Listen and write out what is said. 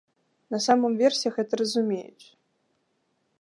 На самым версе гэта разумеюць.